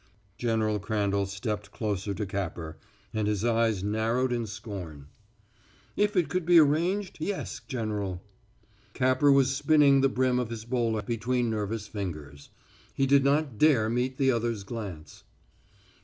General Crandall stepped closer to Capper, and his eyes narrowed in scorn. "If it could be arranged, yes, General." Capper was spinning the brim of his bowler between nervous fingers. He did not dare meet the other's glance.